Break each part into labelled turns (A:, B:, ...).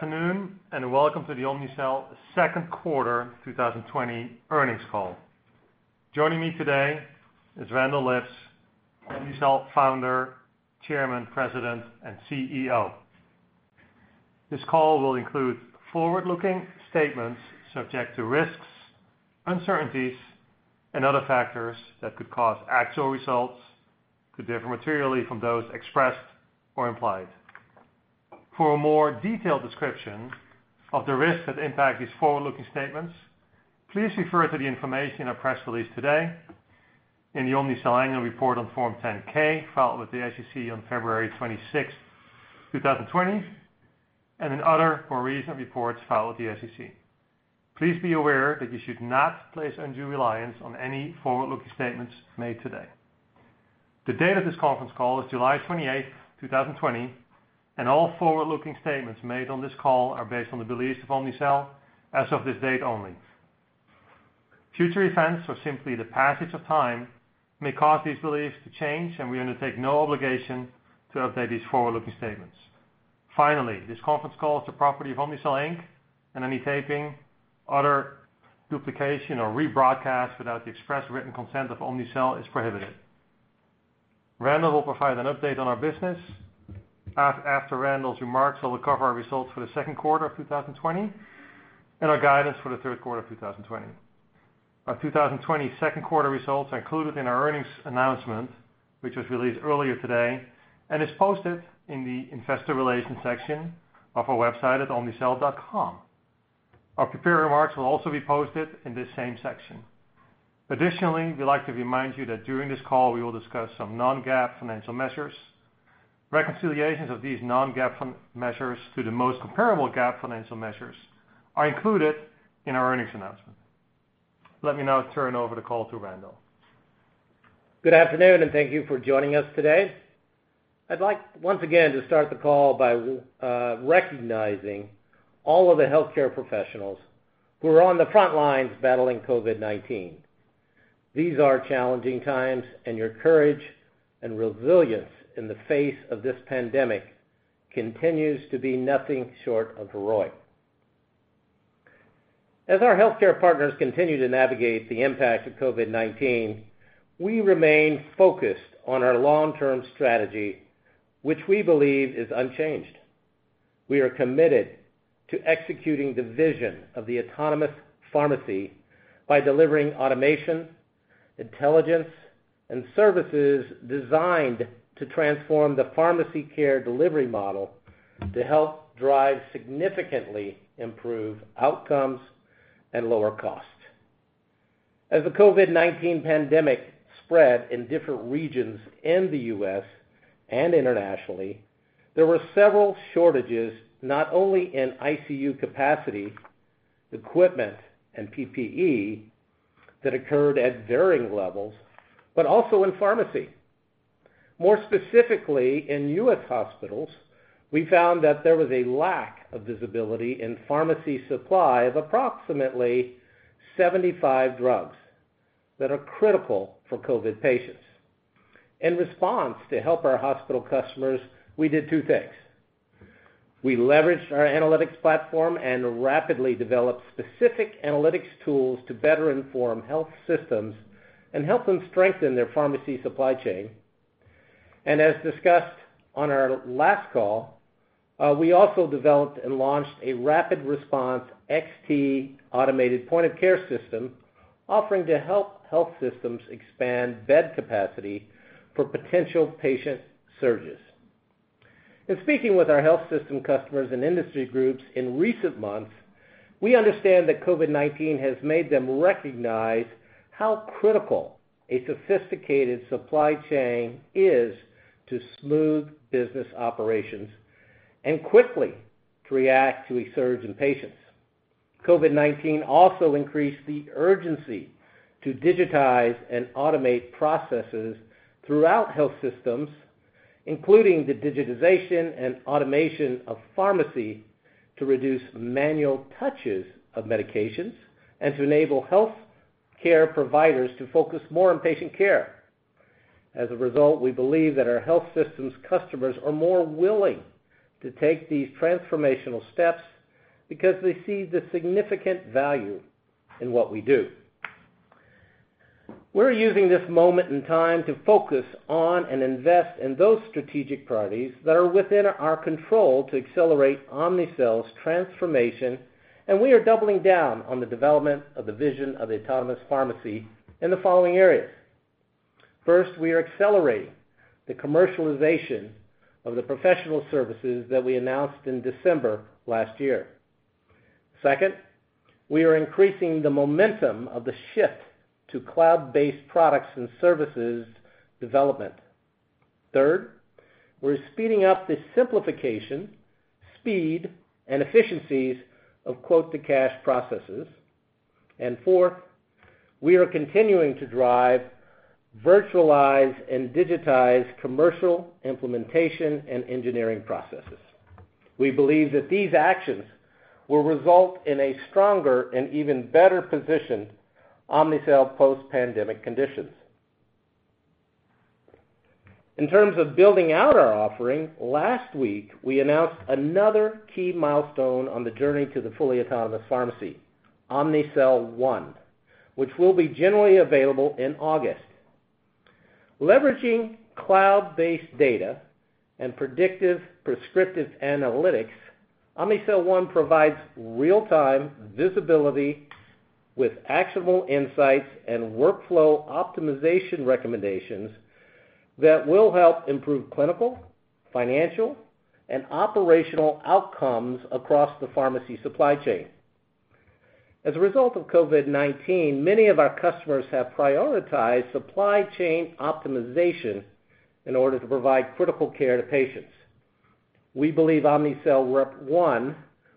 A: Good afternoon, and welcome to the Omnicell second quarter 2020 earnings call. Joining me today is Randall Lipps, Omnicell founder, chairman, president, and CEO. This call will include forward-looking statements subject to risks, uncertainties, and other factors that could cause actual results to differ materially from those expressed or implied. For a more detailed description of the risks that impact these forward-looking statements, please refer to the information in our press release today, in the Omnicell Annual Report on Form 10-K filed with the SEC on February 26, 2020, and in other more recent reports filed with the SEC. Please be aware that you should not place undue reliance on any forward-looking statements made today. The date of this conference call is July 28, 2020, and all forward-looking statements made on this call are based on the beliefs of Omnicell as of this date only. Future events or simply the passage of time may cause these beliefs to change. We undertake no obligation to update these forward-looking statements. Finally, this conference call is the property of Omnicell Inc. Any taping, other duplication, or rebroadcast without the express written consent of Omnicell is prohibited. Randall will provide an update on our business. After Randall's remarks, I will cover our results for the second quarter of 2020 and our guidance for the third quarter of 2020. Our 2020 second quarter results are included in our earnings announcement, which was released earlier today and is posted in the investor relations section of our website at omnicell.com. Our prepared remarks will also be posted in this same section. Additionally, we'd like to remind you that during this call, we will discuss some non-GAAP financial measures. Reconciliations of these non-GAAP measures to the most comparable GAAP financial measures are included in our earnings announcement. Let me now turn over the call to Randall.
B: Good afternoon. Thank you for joining us today. I'd like once again to start the call by recognizing all of the healthcare professionals who are on the front lines battling COVID-19. These are challenging times. Your courage and resilience in the face of this pandemic continues to be nothing short of heroic. As our healthcare partners continue to navigate the impact of COVID-19, we remain focused on our long-term strategy, which we believe is unchanged. We are committed to executing the vision of the autonomous pharmacy by delivering automation, intelligence, and services designed to transform the pharmacy care delivery model to help drive significantly improved outcomes and lower costs. As the COVID-19 pandemic spread in different regions in the U.S. and internationally, there were several shortages, not only in ICU capacity, equipment, and PPE that occurred at varying levels, but also in pharmacy. More specifically, in U.S. hospitals, we found that there was a lack of visibility in pharmacy supply of approximately 75 drugs that are critical for COVID-19 patients. In response to help our hospital customers, we did two things. We leveraged our analytics platform and rapidly developed specific analytics tools to better inform health systems and help them strengthen their pharmacy supply chain. As discussed on our last call, we also developed and launched a rapid response XT automated point-of-care system offering to help health systems expand bed capacity for potential patient surges. In speaking with our health system customers and industry groups in recent months, we understand that COVID-19 has made them recognize how critical a sophisticated supply chain is to smooth business operations and quickly to react to a surge in patients. COVID-19 also increased the urgency to digitize and automate processes throughout health systems, including the digitization and automation of pharmacy to reduce manual touches of medications and to enable healthcare providers to focus more on patient care. As a result, we believe that our health systems customers are more willing to take these transformational steps because they see the significant value in what we do. We're using this moment in time to focus on and invest in those strategic priorities that are within our control to accelerate Omnicell's transformation, and we are doubling down on the development of the vision of the autonomous pharmacy in the following areas. First, we are accelerating the commercialization of the professional services that we announced in December last year. Second, we are increasing the momentum of the shift to cloud-based products and services development. Third, we're speeding up the simplification, speed, and efficiencies of quote-to-cash processes. Fourth, we are continuing to drive virtualized and digitized commercial implementation and engineering processes. We believe that these actions will result in a stronger and even better positioned Omnicell post-pandemic conditions. In terms of building out our offering, last week, we announced another key milestone on the journey to the fully autonomous pharmacy, Omnicell One, which will be generally available in August. Leveraging cloud-based data and predictive prescriptive analytics, Omnicell One provides real-time visibility with actionable insights and workflow optimization recommendations that will help improve clinical, financial, and operational outcomes across the pharmacy supply chain. As a result of COVID-19, many of our customers have prioritized supply chain optimization in order to provide critical care to patients. We believe Omnicell One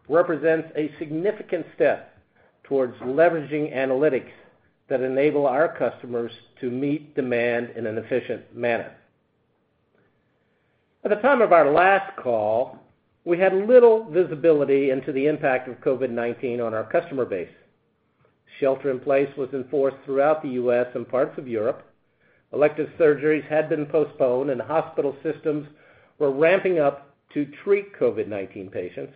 B: represents a significant step towards leveraging analytics that enable our customers to meet demand in an efficient manner. At the time of our last call, we had little visibility into the impact of COVID-19 on our customer base. Shelter in place was enforced throughout the U.S. and parts of Europe. Elective surgeries had been postponed, hospital systems were ramping up to treat COVID-19 patients.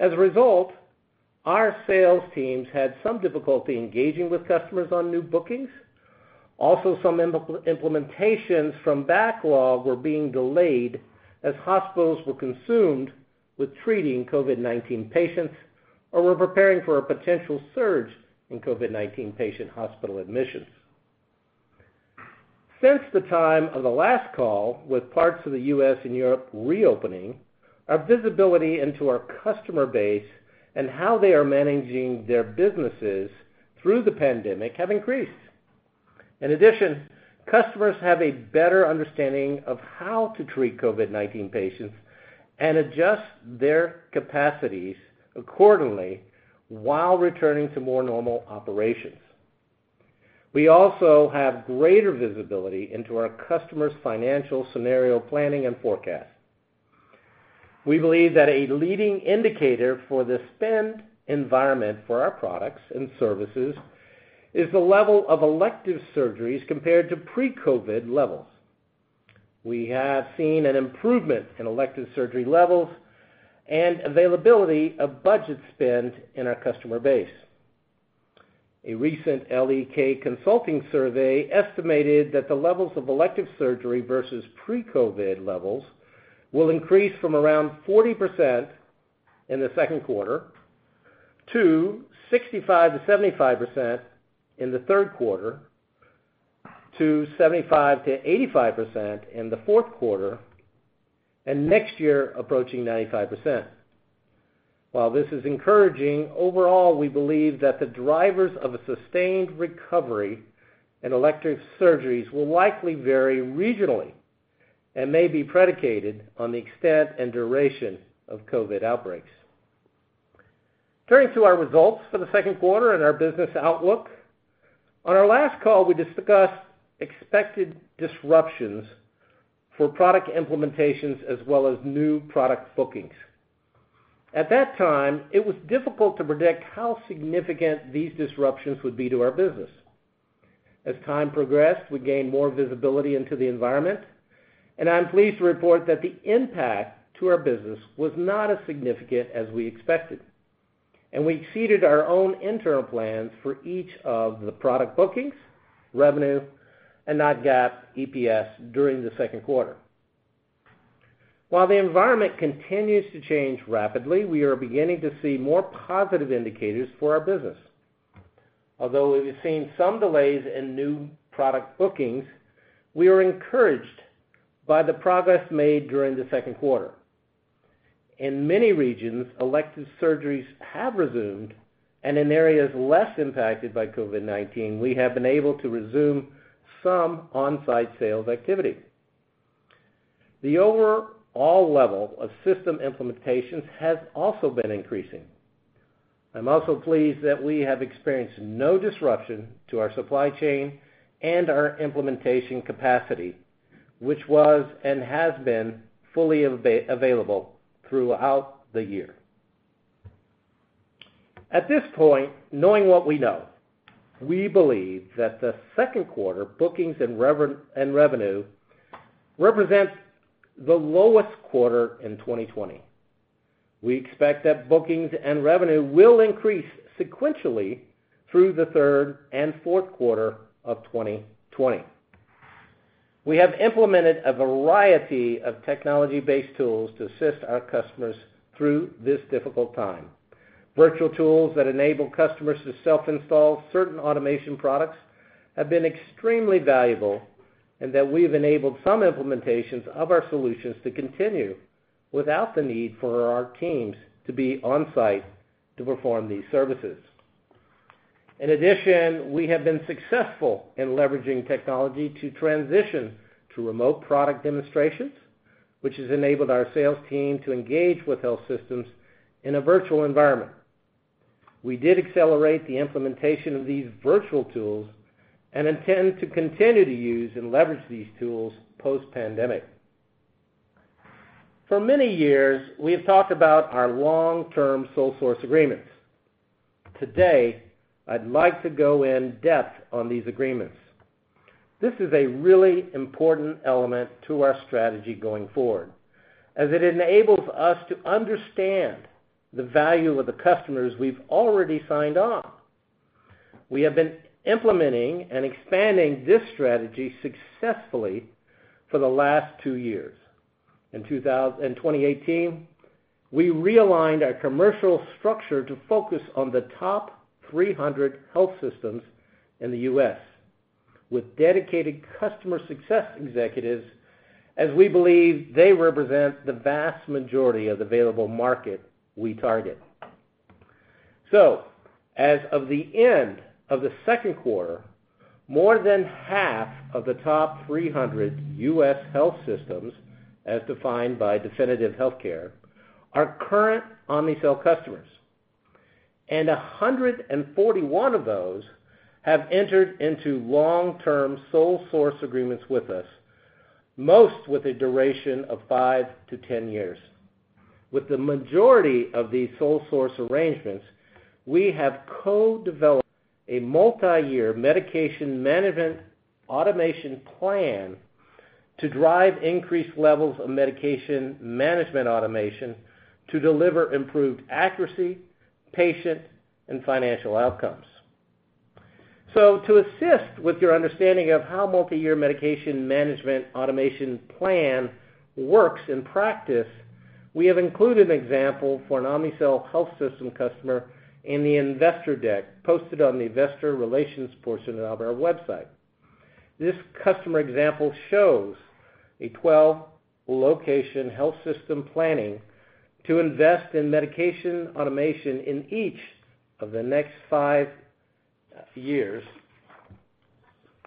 B: As a result, our sales teams had some difficulty engaging with customers on new bookings. Some implementations from backlog were being delayed as hospitals were consumed with treating COVID-19 patients or were preparing for a potential surge in COVID-19 patient hospital admissions. Since the time of the last call, with parts of the U.S. and Europe reopening, our visibility into our customer base and how they are managing their businesses through the pandemic have increased. In addition, customers have a better understanding of how to treat COVID-19 patients and adjust their capacities accordingly while returning to more normal operations. We also have greater visibility into our customers' financial scenario planning and forecast. We believe that a leading indicator for the spend environment for our products and services is the level of elective surgeries compared to pre-COVID levels. We have seen an improvement in elective surgery levels and availability of budget spend in our customer base. A recent L.E.K. Consulting survey estimated that the levels of elective surgery versus pre-COVID levels will increase from around 40% in the second quarter to 65%-75% in the third quarter, to 75%-85% in the fourth quarter, and next year approaching 95%. While this is encouraging, overall, we believe that the drivers of a sustained recovery and elective surgeries will likely vary regionally and may be predicated on the extent and duration of COVID outbreaks. Turning to our results for the second quarter and our business outlook. On our last call, we discussed expected disruptions for product implementations as well as new product bookings. At that time, it was difficult to predict how significant these disruptions would be to our business. As time progressed, we gained more visibility into the environment, and I'm pleased to report that the impact to our business was not as significant as we expected, and we exceeded our own internal plans for each of the product bookings, revenue, and non-GAAP EPS during the second quarter. While the environment continues to change rapidly, we are beginning to see more positive indicators for our business. Although we've seen some delays in new product bookings, we are encouraged by the progress made during the second quarter. In many regions, elective surgeries have resumed, and in areas less impacted by COVID-19, we have been able to resume some on-site sales activity. The overall level of system implementations has also been increasing. I'm also pleased that we have experienced no disruption to our supply chain and our implementation capacity, which was and has been fully available throughout the year. At this point, knowing what we know, we believe that the second quarter bookings and revenue represent the lowest quarter in 2020. We expect that bookings and revenue will increase sequentially through the third and fourth quarter of 2020. We have implemented a variety of technology-based tools to assist our customers through this difficult time. Virtual tools that enable customers to self-install certain automation products have been extremely valuable and that we've enabled some implementations of our solutions to continue without the need for our teams to be on-site to perform these services. We have been successful in leveraging technology to transition to remote product demonstrations, which has enabled our sales team to engage with health systems in a virtual environment. We did accelerate the implementation of these virtual tools and intend to continue to use and leverage these tools post-pandemic. For many years, we have talked about our long-term sole source agreements. I'd like to go in-depth on these agreements. This is a really important element to our strategy going forward, as it enables us to understand the value of the customers we've already signed on. We have been implementing and expanding this strategy successfully for the last two years. In 2018, we realigned our commercial structure to focus on the top 300 health systems in the U.S. with dedicated customer success executives, as we believe they represent the vast majority of available market we target. As of the end of the second quarter, more than half of the top 300 U.S. health systems, as defined by Definitive Healthcare, are current Omnicell customers, and 141 of those have entered into long-term sole source agreements with us, most with a duration of five to 10 years. With the majority of these sole source arrangements, we have co-developed a multi-year medication management automation plan to drive increased levels of medication management automation to deliver improved accuracy, patient, and financial outcomes. To assist with your understanding of how multi-year medication management automation plan works in practice, we have included an example for an Omnicell health system customer in the investor deck posted on the investor relations portion of our website. This customer example shows a 12-location health system planning to invest in medication automation in each of the next five years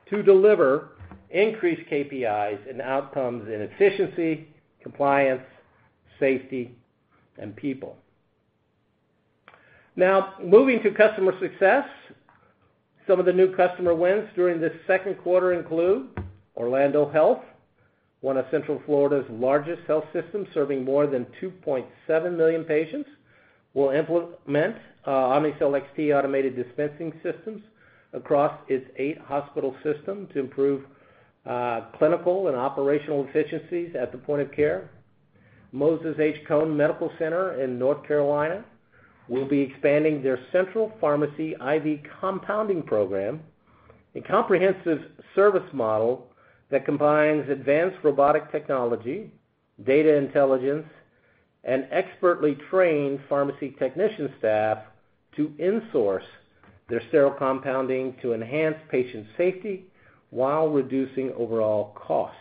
B: to deliver increased KPIs and outcomes in efficiency, compliance, safety, and people. Moving to customer success. Some of the new customer wins during this second quarter include Orlando Health, one of Central Florida's largest health systems, serving more than 2.7 million patients, will implement Omnicell XT automated dispensing systems across its eight hospital system to improve clinical and operational efficiencies at the point of care. Moses H. Cone Memorial Hospital in North Carolina will be expanding their central pharmacy IV compounding program, a comprehensive service model that combines advanced robotic technology, data intelligence, and expertly trained pharmacy technician staff to insource their sterile compounding to enhance patient safety while reducing overall cost.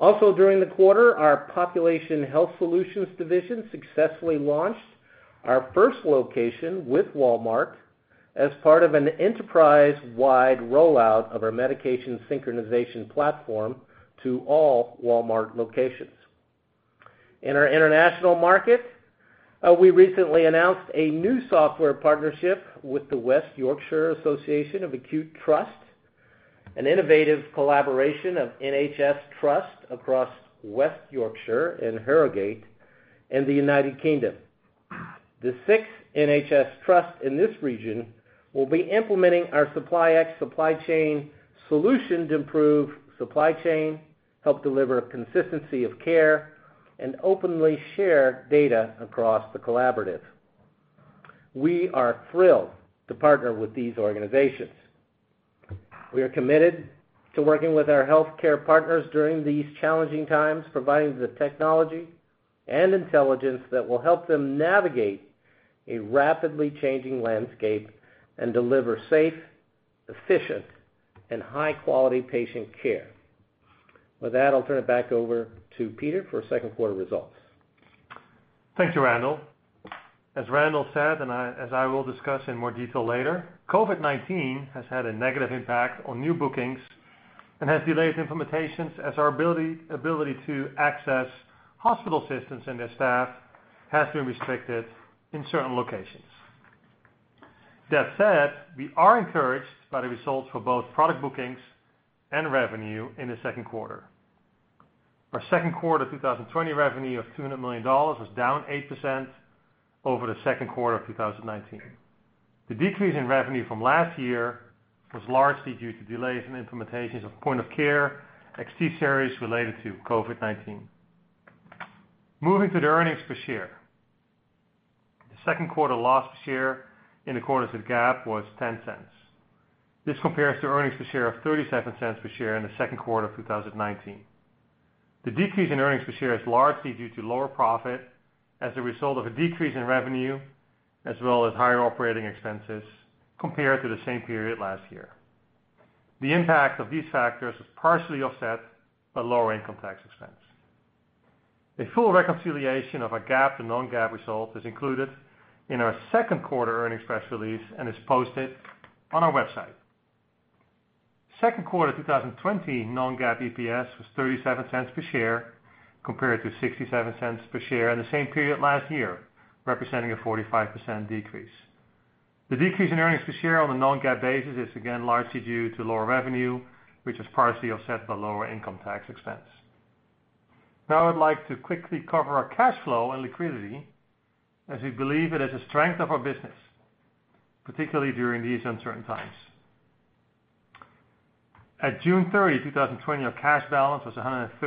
B: During the quarter, our Population Health Solutions division successfully launched our first location with Walmart as part of an enterprise-wide rollout of our medication synchronization platform to all Walmart locations. In our international markets, we recently announced a new software partnership with the West Yorkshire Association of Acute Trusts, an innovative collaboration of NHS trusts across West Yorkshire and Harrogate in the United Kingdom. The sixth NHS trust in this region will be implementing our SupplyX supply chain solution to improve supply chain, help deliver consistency of care, and openly share data across the collaborative. We are thrilled to partner with these organizations. We are committed to working with our healthcare partners during these challenging times, providing the technology and intelligence that will help them navigate a rapidly changing landscape and deliver safe, efficient, and high-quality patient care. With that, I will turn it back over to Peter for second quarter results.
A: Thank you, Randall. As Randall said, and as I will discuss in more detail later, COVID-19 has had a negative impact on new bookings and has delayed implementations as our ability to access hospital systems and their staff has been restricted in certain locations. That said, we are encouraged by the results for both product bookings and revenue in the second quarter. Our second quarter 2020 revenue of $200 million is down 8% over the second quarter of 2019. The decrease in revenue from last year was largely due to delays in implementations of point of care XT Series related to COVID-19. Moving to the earnings per share. The second quarter loss per share in the quarter of GAAP was $0.10. This compares to earnings per share of $0.37 per share in the second quarter of 2019. The decrease in earnings per share is largely due to lower profit as a result of a decrease in revenue, as well as higher operating expenses compared to the same period last year. The impact of these factors was partially offset by lower income tax expense. A full reconciliation of our GAAP to non-GAAP results is included in our second quarter earnings press release and is posted on our website. Second quarter 2020 non-GAAP EPS was $0.37 per share compared to $0.67 per share in the same period last year, representing a 45% decrease. The decrease in earnings per share on a non-GAAP basis is again largely due to lower revenue, which is partially offset by lower income tax expense. I'd like to quickly cover our cash flow and liquidity as we believe it is a strength of our business, particularly during these uncertain times. At June 30, 2020, our cash balance was $134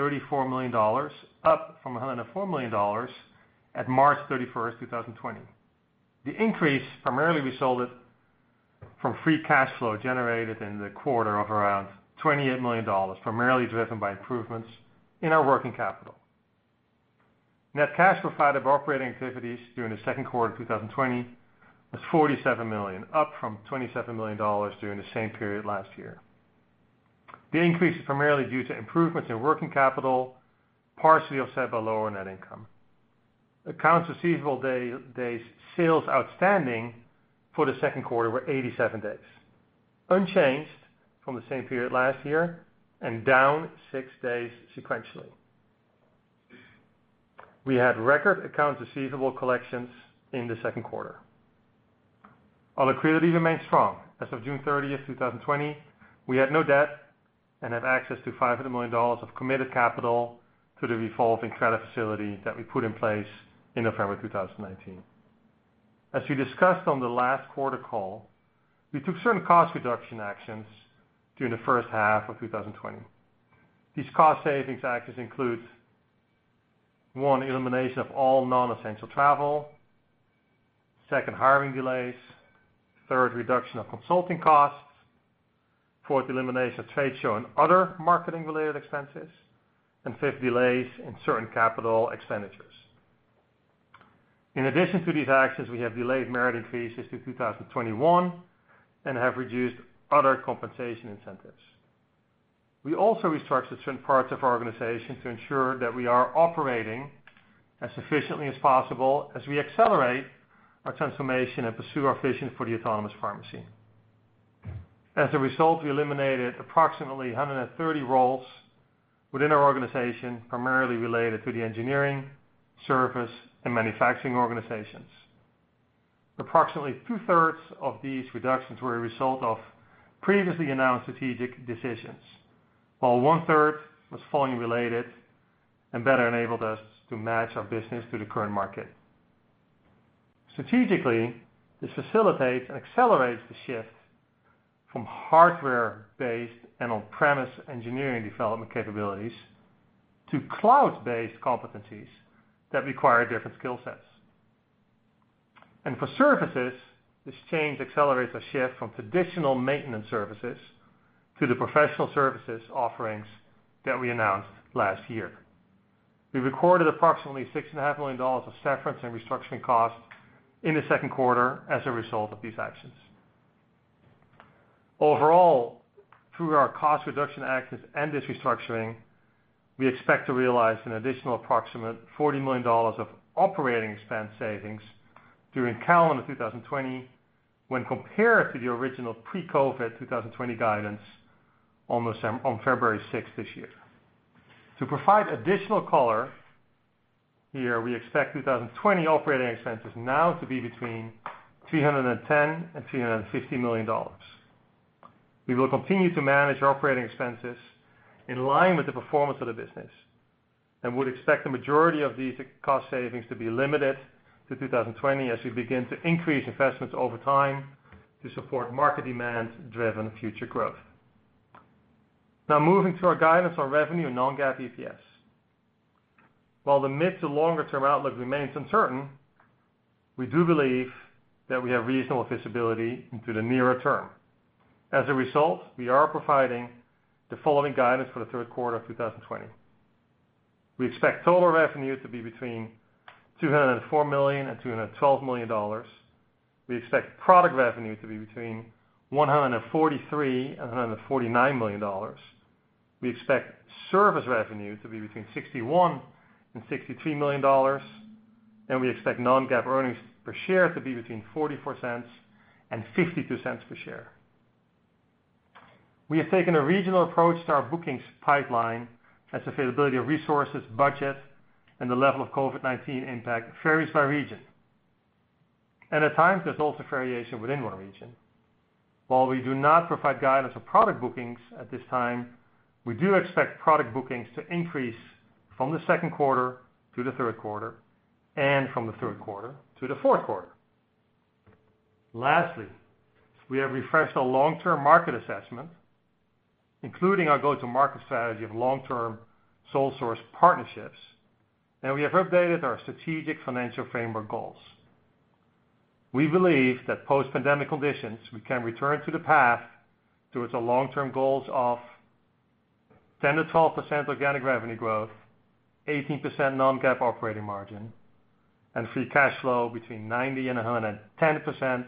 A: million, up from $104 million at March 31, 2020. The increase primarily resulted from free cash flow generated in the quarter of around $28 million, primarily driven by improvements in our working capital. Net cash provided by operating activities during the second quarter of 2020 was $47 million, up from $27 million during the same period last year. The increase is primarily due to improvements in working capital, partially offset by lower net income. Accounts receivable days sales outstanding for the second quarter were 87 days, unchanged from the same period last year and down six days sequentially. We had record accounts receivable collections in the second quarter. Our liquidity remains strong. As of June 30th, 2020, we had no debt and have access to $500 million of committed capital through the revolving credit facility that we put in place in November 2019. As we discussed on the last quarter call, we took certain cost reduction actions during the first half of 2020. These cost savings actions include, 1, elimination of all non-essential travel. 2, hiring delays. 3, reduction of consulting costs. 4, elimination of trade show and other marketing-related expenses. 5, delays in certain capital expenditures. In addition to these actions, we have delayed merit increases to 2021 and have reduced other compensation incentives. We also restructured certain parts of our organization to ensure that we are operating as efficiently as possible as we accelerate our transformation and pursue our vision for the autonomous pharmacy. As a result, we eliminated approximately 130 roles within our organization, primarily related to the engineering, service, and manufacturing organizations. Approximately two-thirds of these reductions were a result of previously announced strategic decisions, while one-third was volume related and better enabled us to match our business to the current market. Strategically, this facilitates and accelerates the shift from hardware-based and on-premise engineering development capabilities to cloud-based competencies that require different skill sets. For services, this change accelerates a shift from traditional maintenance services to the professional services offerings that we announced last year. We recorded approximately $6.5 million of severance and restructuring costs in the second quarter as a result of these actions. Overall, through our cost reduction actions and this restructuring, we expect to realize an additional approximate $40 million of operating expense savings during calendar 2020 when compared to the original pre-COVID 2020 guidance on February 6th this year. To provide additional color here, we expect 2020 operating expenses now to be between $310 million and $350 million. We will continue to manage our operating expenses in line with the performance of the business and would expect the majority of these cost savings to be limited to 2020 as we begin to increase investments over time to support market demand driven future growth. Now moving to our guidance on revenue and non-GAAP EPS. While the mid to longer- term outlook remains uncertain, we do believe that we have reasonable visibility into the nearer -term. As a result, we are providing the following guidance for the third quarter of 2020. We expect total revenue to be between $204 million and $212 million. We expect product revenue to be between $143 million and $149 million. We expect service revenue to be between $61 million and $63 million. We expect non-GAAP earnings per share to be between $0.44 and $0.52 per share. We have taken a regional approach to our bookings pipeline as availability of resources, budget, and the level of COVID-19 impact varies by region. At times, there's also variation within one region. While we do not provide guidance for product bookings at this time, we do expect product bookings to increase from the second quarter to the third quarter and from the third quarter to the fourth quarter. Lastly, we have refreshed our long-term market assessment, including our go-to-market strategy of long-term sole source partnerships, and we have updated our strategic financial framework goals. We believe that post-pandemic conditions, we can return to the path towards the long-term goals of 10%-12% organic revenue growth, 18% non-GAAP operating margin, and free cash flow between 90% and 110%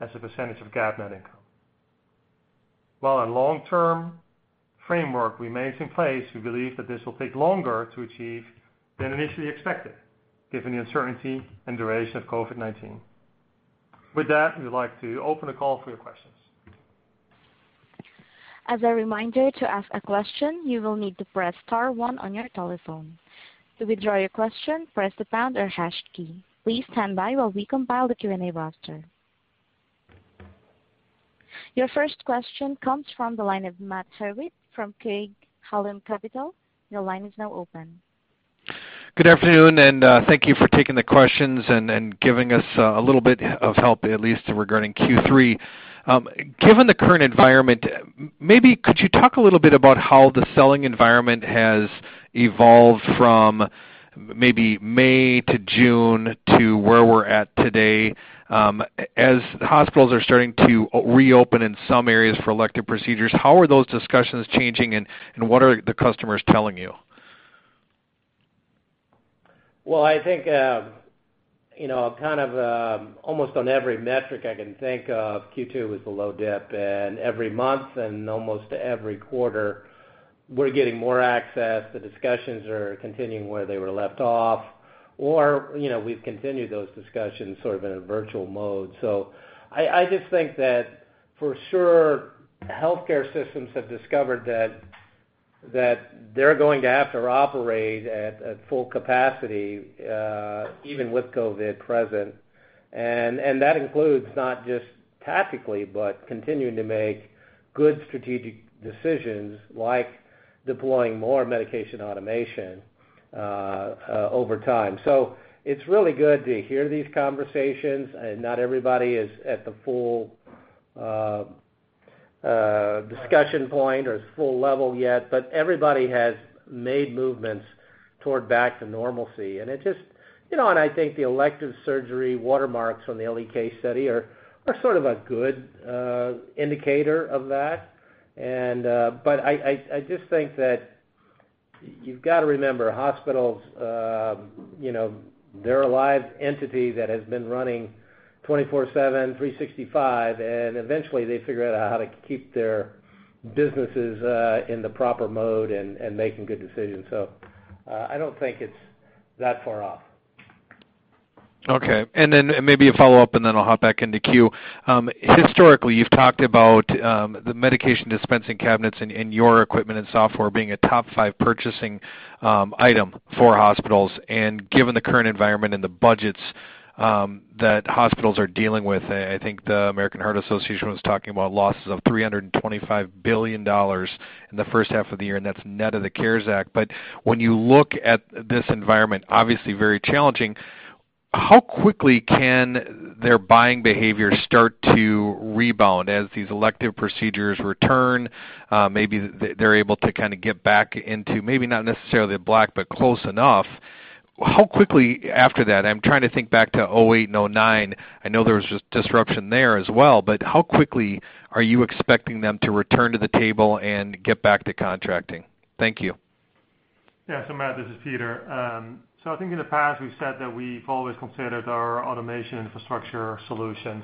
A: as a percentage of GAAP net income. While our long-term framework remains in place, we believe that this will take longer to achieve than initially expected given the uncertainty and duration of COVID-19. With that, we'd like to open the call for your questions.
C: As a reminder, to ask a question, you will need to press star one on your telephone. To withdraw your question, press the pound or hash key. Please stand by while we compile the Q and A roster. Your first question comes from the line of Matt Hewitt from Craig-Hallum Capital. Your line is now open.
D: Good afternoon. Thank you for taking the questions and giving us a little bit of help, at least regarding Q3. Given the current environment, maybe could you talk a little bit about how the selling environment has evolved from maybe May to June to where we're at today? As hospitals are starting to reopen in some areas for elective procedures, how are those discussions changing, and what are the customers telling you?
B: I think, kind of almost on every metric I can think of, Q2 was the low dip, and every month and almost every quarter, we're getting more access. The discussions are continuing where they were left off or we've continued those discussions sort of in a virtual mode. I just think that for sure, healthcare systems have discovered that they're going to have to operate at full capacity, even with COVID present, and that includes not just tactically, but continuing to make good strategic decisions, like deploying more medication automation over time. It's really good to hear these conversations, and not everybody is at the full discussion point or is full level yet, but everybody has made movements toward back to normalcy. I think the elective surgery watermarks on the L.E.K. study are sort of a good indicator of that. I just think that you've got to remember, hospitals, they're a live entity that has been running 24/7, 365, and eventually, they figure out how to keep their businesses in the proper mode and making good decisions. I don't think it's that far off.
D: Okay, then maybe a follow-up, and then I'll hop back into queue. Historically, you've talked about the medication dispensing cabinets and your equipment and software being a top 5 purchasing item for hospitals. Given the current environment and the budgets that hospitals are dealing with, I think the American Hospital Association was talking about losses of $325 billion in the first half of the year, and that's net of the CARES Act. When you look at this environment, obviously very challenging, how quickly can their buying behavior start to rebound as these elective procedures return? Maybe they're able to kind of get back into maybe not necessarily black, but close enough. How quickly after that, I'm trying to think back to 2008 and 2009, I know there was disruption there as well, but how quickly are you expecting them to return to the table and get back to contracting? Thank you.
A: Matt, this is Peter. I think in the past we've said that we've always considered our automation infrastructure solutions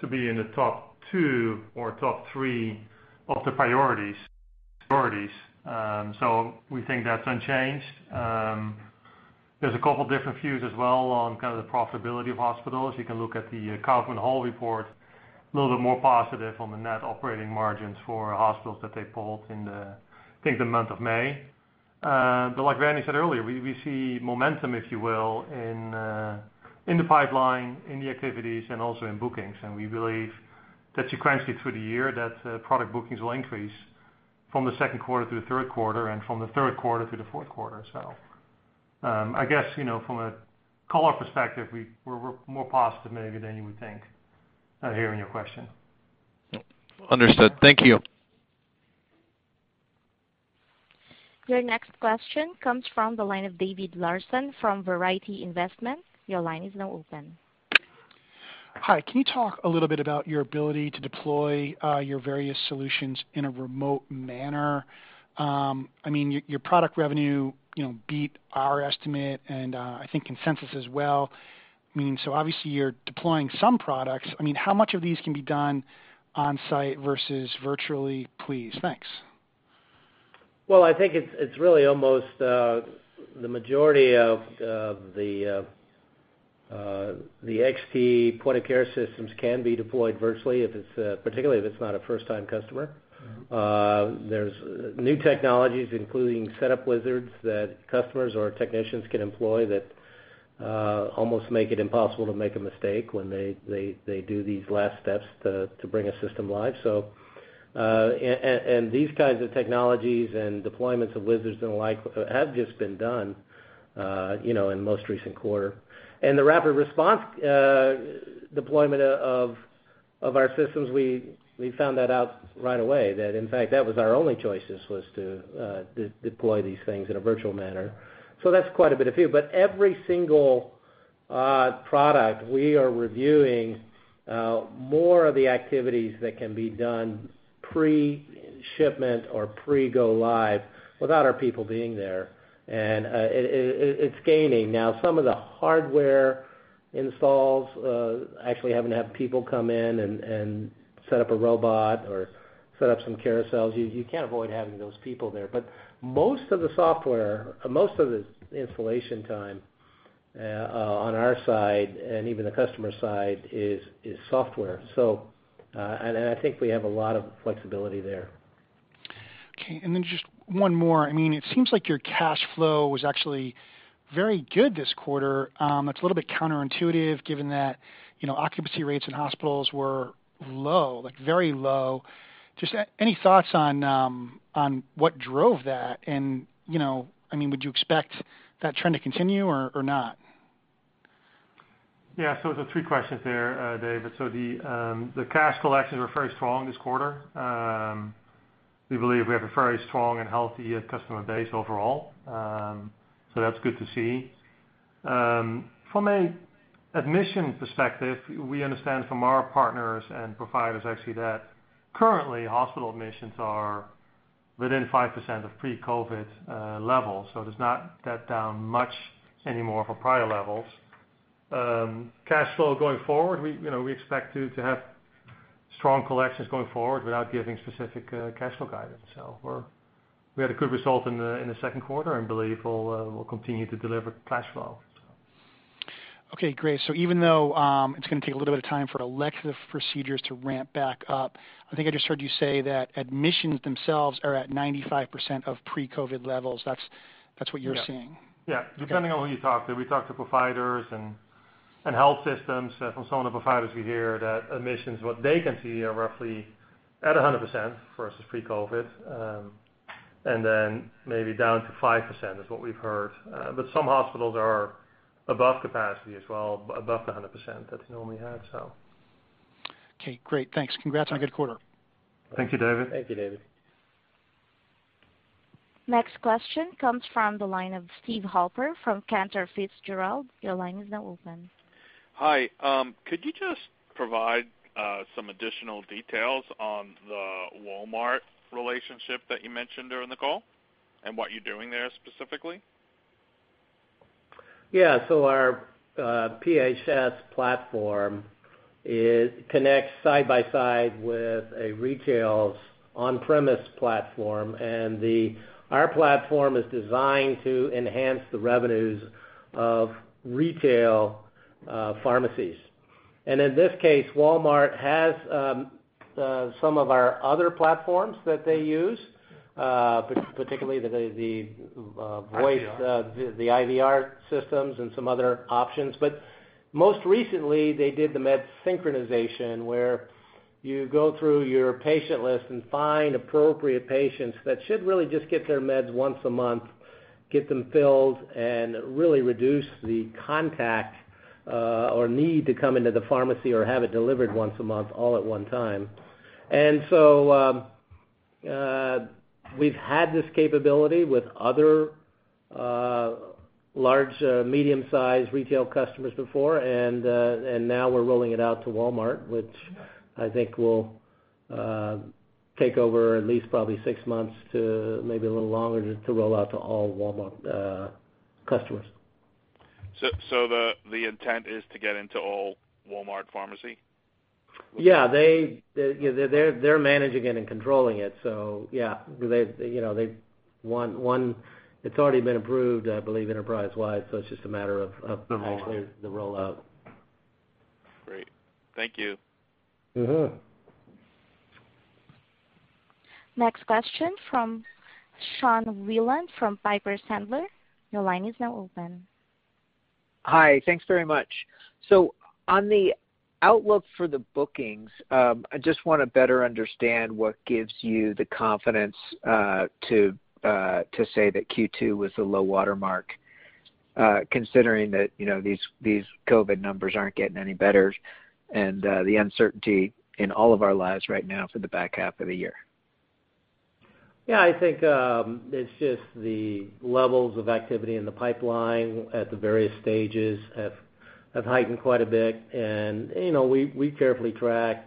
A: to be in the top two or top three of the priorities. There's a couple different views as well on kind of the profitability of hospitals. You can look at the Kaufman Hall report, a little bit more positive on the net operating margins for hospitals that they polled in, I think, the month of May. Like Randy said earlier, we see momentum, if you will, in the pipeline, in the activities, and also in bookings, and we believe that sequentially through the year that product bookings will increase from the second quarter to the third quarter and from the third quarter to the fourth quarter. I guess, from a color perspective, we're more positive maybe than you would think, hearing your question.
D: Understood. Thank you.
C: Your next question comes from the line of David Larsen from Verity Research. Your line is now open.
E: Hi, can you talk a little bit about your ability to deploy your various solutions in a remote manner? Your product revenue beat our estimate and I think consensus as well. Obviously, you're deploying some products. How much of these can be done on-site versus virtually, please? Thanks.
B: Well, I think it's really almost the majority of the XT point-of-care systems can be deployed virtually, particularly if it's not a first-time customer. There's new technologies, including setup wizards, that customers or technicians can employ that almost make it impossible to make a mistake when they do these last steps to bring a system live. These kinds of technologies and deployments of wizards and the like have just been done in most recent quarter. The rapid response deployment of our systems, we found that out right away, that in fact, that was our only choices was to deploy these things in a virtual manner. That's quite a bit of few. Every single product we are reviewing more of the activities that can be done pre-shipment or pre-go live without our people being there, and it's gaining. Some of the hardware installs actually having to have people come in and set up a robot or set up some carousels, you can't avoid having those people there. Most of the software, most of the installation time on our side and even the customer side is software. I think we have a lot of flexibility there.
E: Okay, just one more. It seems like your cash flow was actually very good this quarter. It's a little bit counterintuitive, given that occupancy rates in hospitals were low, like very low. Just any thoughts on what drove that and would you expect that trend to continue or not?
A: Yeah. There's three questions there, David. The cash collections were very strong this quarter. We believe we have a very strong and healthy customer base overall. That's good to see. From a admission perspective, we understand from our partners and providers actually that currently hospital admissions are within 5% of pre-COVID-19 levels, it is not that down much anymore for prior levels. Cash flow going forward, we expect to have strong collections going forward without giving specific cash flow guidance. We had a good result in the second quarter and believe we'll continue to deliver cash flow.
E: Okay, great. Even though it's going to take a little bit of time for elective procedures to ramp back up, I think I just heard you say that admissions themselves are at 95% of pre-COVID levels. That's what you're seeing?
A: Yeah.
E: Okay.
A: Depending on who you talk to. We talk to providers and health systems. From some of the providers we hear that admissions, what they can see, are roughly at 100% versus pre-COVID, and then maybe down to 5% is what we've heard. Some hospitals are above capacity as well, above the 100% that they normally had.
E: Okay, great. Thanks. Congrats on a good quarter.
A: Thank you, David.
B: Thank you, David.
C: Next question comes from the line of Steve Halper from Cantor Fitzgerald. Your line is now open.
F: Hi. Could you just provide some additional details on the Walmart relationship that you mentioned during the call, and what you're doing there specifically?
B: Yeah. Our PHS platform connects side by side with a retail on-premise platform, and our platform is designed to enhance the revenues of retail pharmacies. In this case, Walmart has some of our other platforms that they use.
A: IVR
B: voice, the IVR systems and some other options. Most recently, they did the med synchronization, where you go through your patient list and find appropriate patients that should really just get their meds once a month, get them filled, and really reduce the contact or need to come into the pharmacy or have it delivered once a month all at one time. We've had this capability with other large, medium-sized retail customers before. Now we're rolling it out to Walmart, which I think will take over at least probably six months to maybe a little longer to roll out to all Walmart customers.
F: The intent is to get into all Walmart pharmacy?
B: Yeah. They're managing it and controlling it, so yeah. It's already been approved, I believe, enterprise-wide, so it's just a matter of.
F: Rolling out.
B: actually the rollout.
F: Great. Thank you.
C: Next question from Sean Wieland from Piper Sandler. Your line is now open.
G: Hi. Thanks very much. On the outlook for the bookings, I just want to better understand what gives you the confidence to say that Q2 was the low water mark, considering that these COVID-19 numbers aren't getting any better and the uncertainty in all of our lives right now for the back half of the year.
B: Yeah, I think it's just the levels of activity in the pipeline at the various stages have heightened quite a bit. We carefully track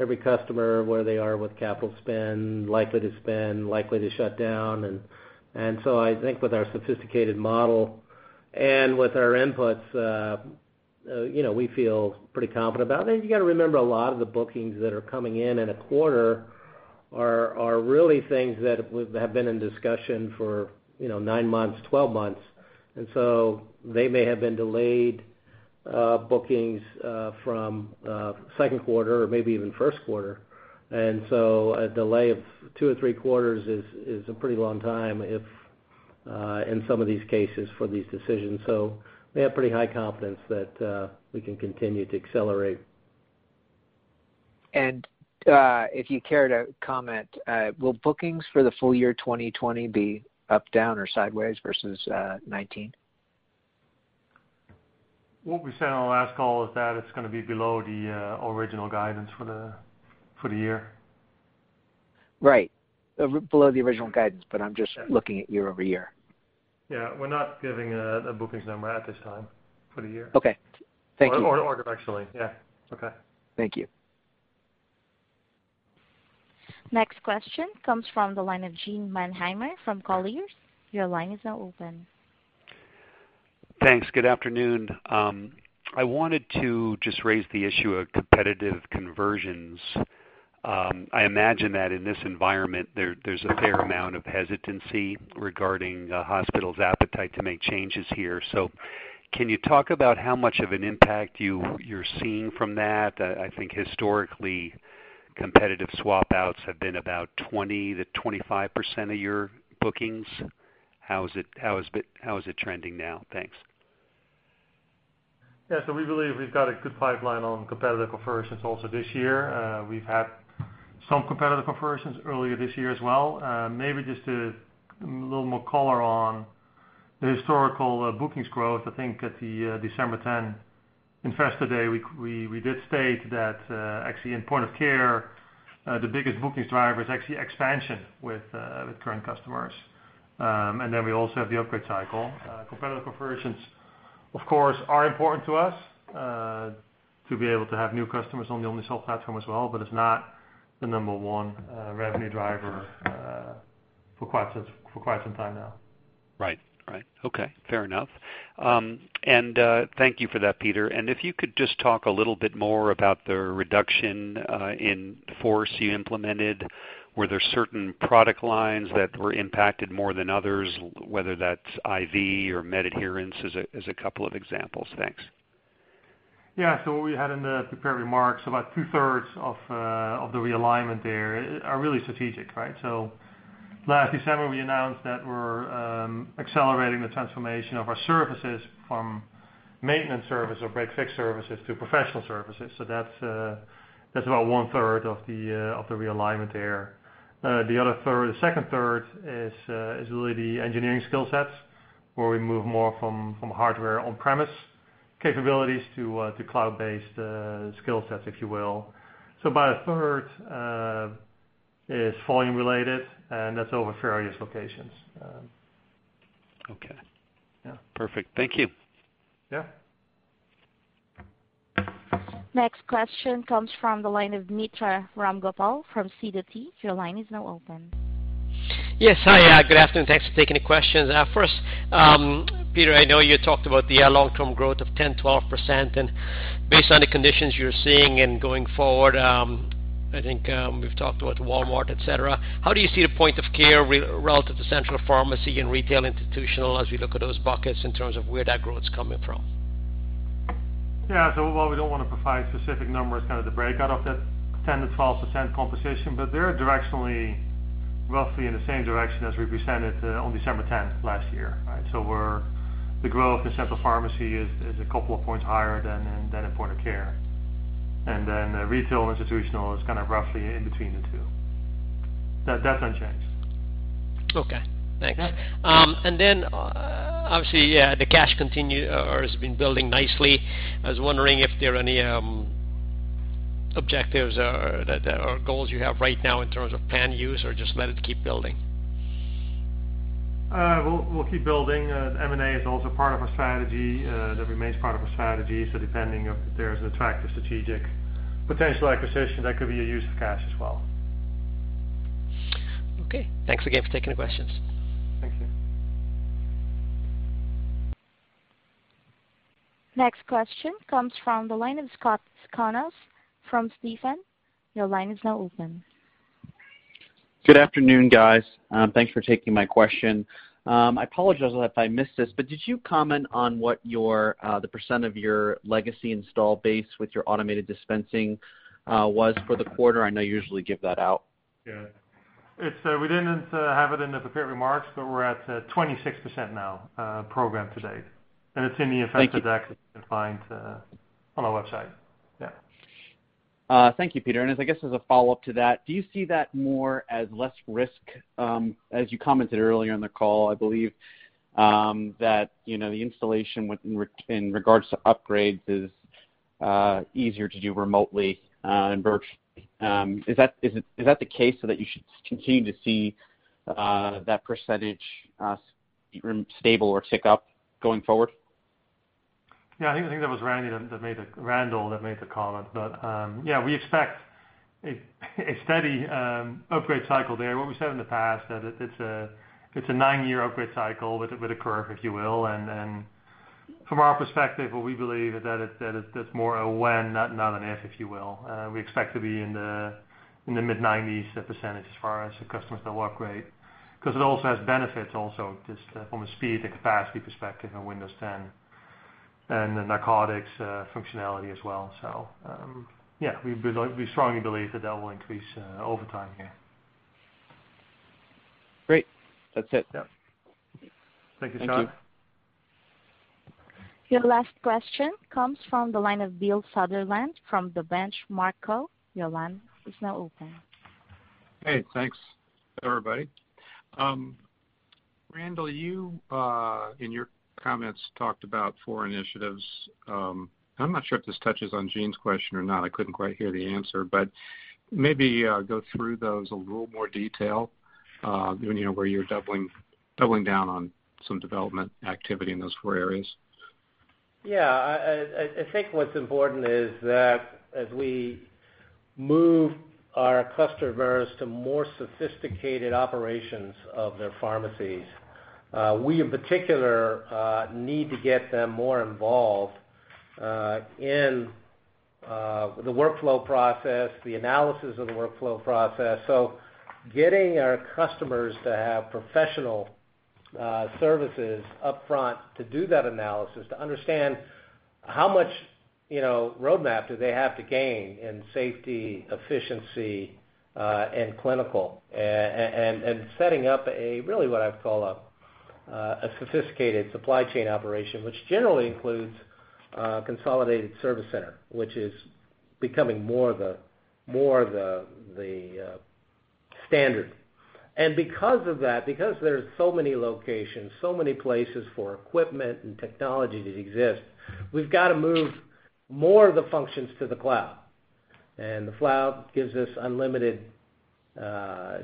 B: every customer, where they are with capital spend, likely to spend, likely to shut down. I think with our sophisticated model and with our inputs, we feel pretty confident about it. You got to remember a lot of the bookings that are coming in in a quarter are really things that have been in discussion for 9 months, 12 months. They may have been delayed bookings from second quarter or maybe even first quarter. A delay of two or three quarters is a pretty long time in some of these cases for these decisions. We have pretty high confidence that we can continue to accelerate.
G: If you care to comment, will bookings for the full- year 2020 be up, down, or sideways versus 2019?
A: What we said on the last call is that it's going to be below the original guidance for the year.
G: Right. Below the original guidance. I'm just looking at year-over-year.
A: Yeah. We're not giving a bookings number at this time for the year.
G: Okay. Thank you.
A: Actually, yeah. Okay.
G: Thank you.
C: Next question comes from the line of Gene Mannheimer from Colliers. Your line is now open.
H: Thanks. Good afternoon. I wanted to just raise the issue of competitive conversions I imagine that in this environment, there's a fair amount of hesitancy regarding a hospital's appetite to make changes here. Can you talk about how much of an impact you're seeing from that? I think historically, competitive swap outs have been about 20%-25% of your bookings. How is it trending now? Thanks.
A: We believe we've got a good pipeline on competitive conversions also this year. We've had some competitive conversions earlier this year as well. Maybe just a little more color on the historical bookings growth. I think at the December 10 investor day, we did state that, actually in point of care, the biggest bookings driver is actually expansion with current customers. We also have the upgrade cycle. Competitive conversions, of course, are important to us, to be able to have new customers on the Omnicell platform as well. It's not the number one revenue driver for quite some time now.
H: Right. Okay, fair enough. Thank you for that, Peter. If you could just talk a little bit more about the reduction in force you implemented. Were there certain product lines that were impacted more than others, whether that's IV or med adherence, as a couple of examples. Thanks.
A: Yeah. What we had in the prepared remarks, about two-thirds of the realignment there are really strategic, right? Last December, we announced that we're accelerating the transformation of our services from maintenance service or break-fix services to professional services. That's about one-third of the realignment there. The second third is really the engineering skill sets, where we move more from hardware on-premise capabilities to cloud-based skill sets, if you will. About a third is volume related, and that's over various locations.
H: Okay.
A: Yeah.
H: Perfect. Thank you.
A: Yeah.
C: Next question comes from the line of Mitra Ramgopal from Sidoti & Company. Your line is now open.
I: Yes. Hi, good afternoon. Thanks for taking the questions. First, Pieter, I know you talked about the long-term growth of 10%-12%, based on the conditions you're seeing and going forward, I think we've talked about Walmart, et cetera. How do you see the point of care relative to central pharmacy and retail institutional, as we look at those buckets in terms of where that growth is coming from?
A: Yeah. While we don't want to provide specific numbers, kind of the breakout of that 10% to 12% composition, but they are directionally roughly in the same direction as we presented on December 10th last year. The growth in central pharmacy is a couple of points higher than in point of care. Retail institutional is kind of roughly in between the two. That's unchanged.
I: Okay, thanks.
A: Yeah.
I: Obviously, the cash has been building nicely. I was wondering if there are any objectives or goals you have right now in terms of planned use or just let it keep building?
A: We'll keep building. M&A is also part of our strategy. That remains part of our strategy. Depending if there's an attractive strategic potential acquisition, that could be a use of cash as well.
I: Okay. Thanks again for taking the questions.
A: Thank you.
C: Next question comes from the line of Scott Schoenhaus from Stephens. Your line is now open.
J: Good afternoon, guys. Thanks for taking my question. I apologize if I missed this, but did you comment on what the % of your legacy install base with your automated dispensing was for the quarter? I know you usually give that out.
A: Yeah. We didn't have it in the prepared remarks, but we're at 26% now, program to date, and it's in the investor deck.
J: Thank you.
A: you can find on our website. Yeah.
J: Thank you, Peter, I guess as a follow-up to that, do you see that more as less risk? As you commented earlier in the call, I believe, that the installation in regards to upgrades is easier to do remotely and virtually. Is that the case so that you should continue to see that percentage stable or tick up going forward?
A: Yeah, I think that was Randall that made the comment. Yeah, we expect a steady upgrade cycle there. What we said in the past, that it's a nine-year upgrade cycle with a curve, if you will. From our perspective, we believe that it's more a when, not an if you will. We expect to be in the mid-90s percentage as far as the customers that will upgrade, because it also has benefits also, just from a speed and capacity perspective in Windows 10 and the narcotics functionality as well. Yeah, we strongly believe that will increase over time here.
J: Great. That's it.
A: Yeah. Thank you, Scott.
J: Thank you.
C: Your last question comes from the line of Bill Sutherland from The Benchmark Company. Your line is now open.
K: Hey, thanks, everybody. Randall, you, in your comments, talked about four initiatives. I'm not sure if this touches on Gene's question or not. I couldn't quite hear the answer, but maybe go through those in a little more detail, where you're doubling down on some development activity in those four areas.
B: I think what's important is that as we move our customers to more sophisticated operations of their pharmacies, we in particular need to get them more involved in the workflow process, the analysis of the workflow process. Getting our customers to have professional services up front to do that analysis, to understand how much roadmap do they have to gain in safety, efficiency, and clinical. Setting up really what I'd call a sophisticated supply chain operation, which generally includes a consolidated service center, which is becoming more the standard. Because of that, because there's so many locations, so many places for equipment and technology to exist, we've got to move more of the functions to the cloud. The cloud gives us unlimited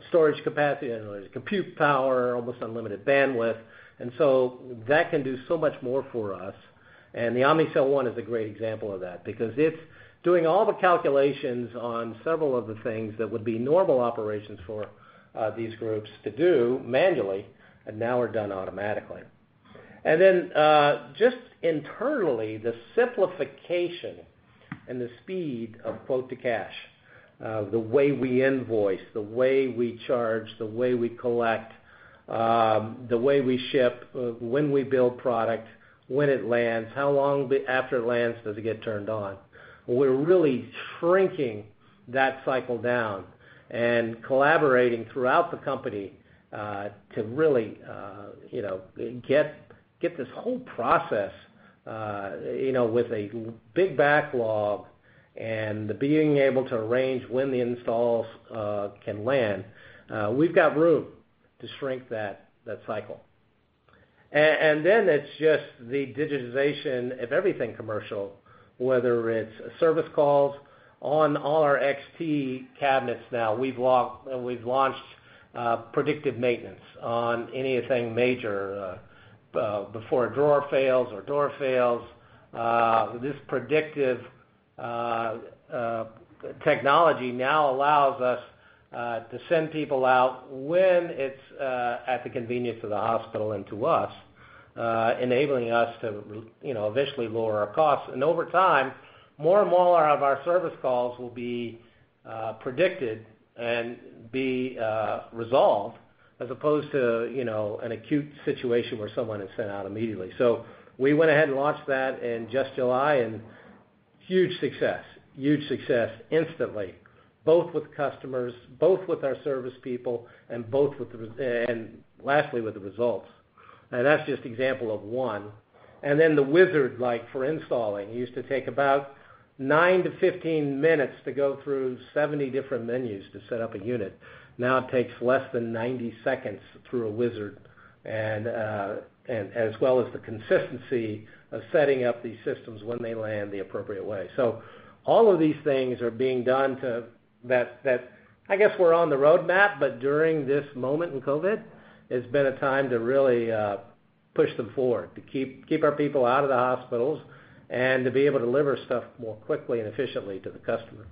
B: storage capacity, unlimited compute power, almost unlimited bandwidth. That can do so much more for us. The Omnicell One is a great example of that, because it's doing all the calculations on several of the things that would be normal operations for these groups to do manually, and now are done automatically. Then, just internally, the simplification and the speed of quote-to-cash, the way we invoice, the way we charge, the way we collect, the way we ship, when we build product, when it lands, how long after it lands does it get turned on? We're really shrinking that cycle down and collaborating throughout the company, to really get this whole process with a big backlog and being able to arrange when the installs can land. We've got room to shrink that cycle. Then it's just the digitization of everything commercial, whether it's service calls. On all our XT cabinets now, we've launched predictive maintenance on anything major, before a drawer fails or a door fails. This predictive technology now allows us to send people out when it's at the convenience of the hospital and to us, enabling us to eventually lower our costs. Over time, more and more of our service calls will be predicted and be resolved as opposed to an acute situation where someone is sent out immediately. We went ahead and launched that in just July. Huge success. Huge success instantly, both with customers, both with our service people, and lastly with the results. That's just example of one. The wizard for installing used to take about nine to 15 minutes to go through 70 different menus to set up a unit. Now it takes less than 90 seconds through a wizard, and as well as the consistency of setting up these systems when they land the appropriate way. All of these things are being done to that, I guess we're on the roadmap, but during this moment in COVID, it's been a time to really push them forward, to keep our people out of the hospitals and to be able to deliver stuff more quickly and efficiently to the customer.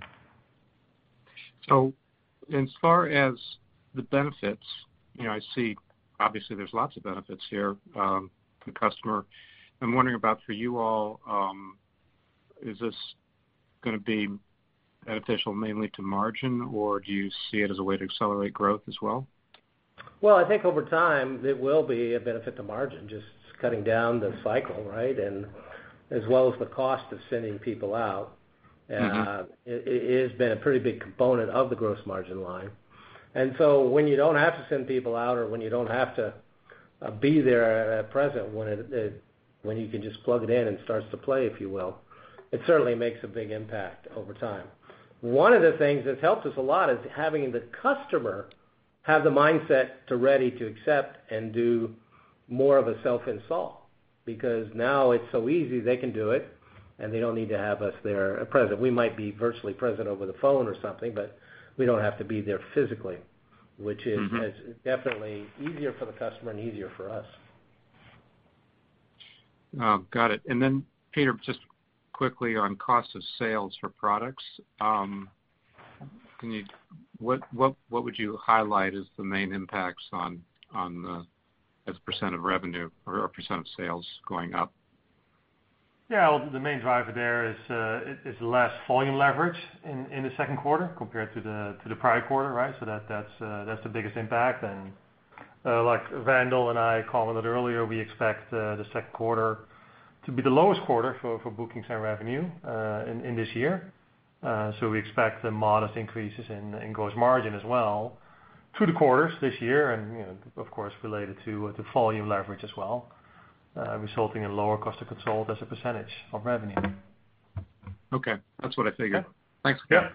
K: As far as the benefits, I see obviously there's lots of benefits here, for the customer. I'm wondering about for you all, is this going to be beneficial mainly to margin, or do you see it as a way to accelerate growth as well?
B: Well, I think over time it will be a benefit to margin, just cutting down the cycle, right, as well as the cost of sending people out. It has been a pretty big component of the gross margin line. When you don't have to send people out or when you don't have to be there present, when you can just plug it in and it starts to play, if you will, it certainly makes a big impact over time. One of the things that's helped us a lot is having the customer have the mindset to be ready to accept and do more of a self-install. Now it's so easy they can do it, and they don't need to have us there present. We might be virtually present over the phone or something, but we don't have to be there physically, which is definitely easier for the customer and easier for us.
K: Got it. Pieter, just quickly on cost of sales for products. What would you highlight as the main impacts as a % of revenue or a % of sales going up?
A: The main driver there is less volume leverage in the second quarter compared to the prior quarter, right? That's the biggest impact. Like Randall and I commented earlier, we expect the second quarter to be the lowest quarter for bookings and revenue in this year. We expect modest increases in gross margin as well through the quarters this year and, of course, related to the volume leverage as well, resulting in lower cost of consult as a percentage of revenue.
K: Okay. That's what I figured.
A: Yeah.
K: Thanks.
A: Yeah.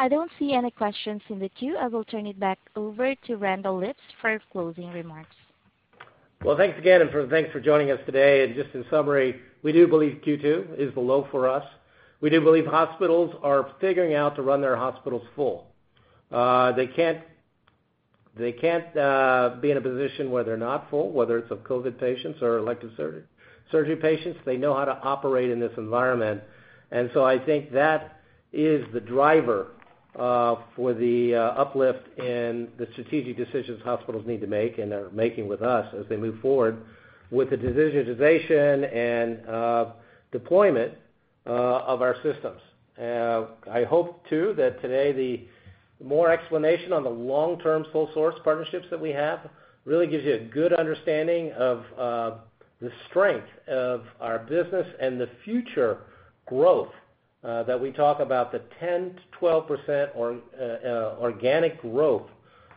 C: I don't see any questions in the queue. I will turn it back over to Randall Lipps for closing remarks.
B: Well, thanks again, thanks for joining us today. Just in summary, we do believe Q2 is the low for us. We do believe hospitals are figuring out to run their hospitals full. They can't be in a position where they're not full, whether it's of COVID patients or elective surgery patients. They know how to operate in this environment. I think that is the driver for the uplift in the strategic decisions hospitals need to make and are making with us as they move forward with the digitization and deployment of our systems. I hope, too, that today, the more explanation on the long-term sole source partnerships that we have really gives you a good understanding of the strength of our business and the future growth that we talk about, the 10%-12% organic growth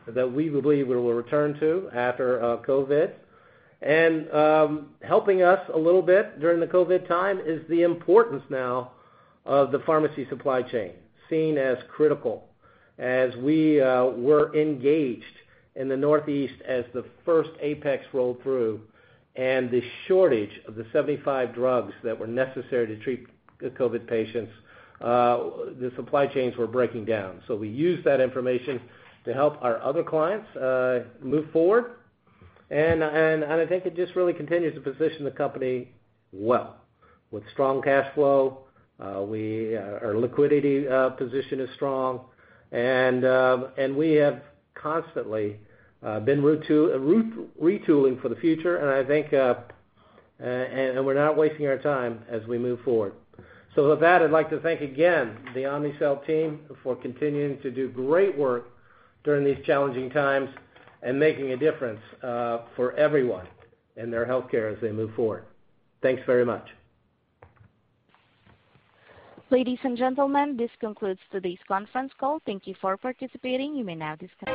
B: that we believe we will return to after COVID. Helping us a little bit during the COVID time is the importance now of the pharmacy supply chain, seen as critical as we were engaged in the Northeast as the first apex rolled through, and the shortage of the 75 drugs that were necessary to treat the COVID patients, the supply chains were breaking down. We used that information to help our other clients move forward, and I think it just really continues to position the company well. With strong cash flow, our liquidity position is strong, and we have constantly been retooling for the future. We're not wasting our time as we move forward. With that, I'd like to thank again the Omnicell team for continuing to do great work during these challenging times and making a difference for everyone and their healthcare as they move forward. Thanks very much.
C: Ladies and gentlemen, this concludes today's conference call. Thank you for participating. You may now disconnect.